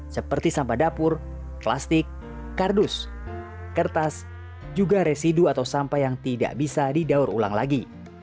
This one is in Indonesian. seperti sampah dapur plastik kardus kertas juga residu atau sampah yang tidak bisa didaur ulang lagi